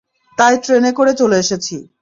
তাই ট্রেনে করে চলে এসেছি।